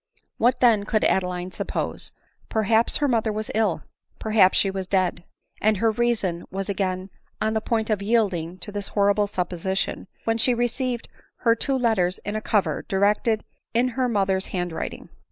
What then, could Adeline suppose ? Perhaps her mother was ill ; perhaps she was dead ; and. her reason was again on the ADELINE MOWBRAY. jflg \ point of yielding to this horrible supposition, when she ] received her two letters hi a cover, directed m her moth '; er's hand writing.